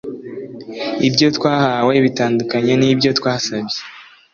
Ibyo twahawe bitandukanye nibyo twabasabye